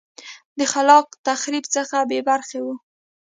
د خلاق تخریب څخه بې برخې وه